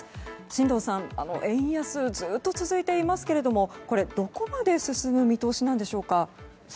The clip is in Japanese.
進藤さん、円安がずっと続いていますけどもどこまで進む見通しなんでしょうか。